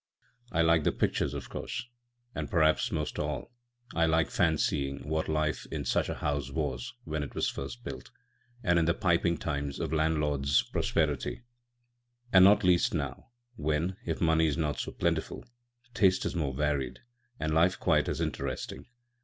I like the pictures, of course; and perhaps most of all I like fancying what life in such a house was when it was first built, and in the piping times of landlords' prosperity, and not least now, when, if money is not so plentiful, taste is more varied and life quite as interesting.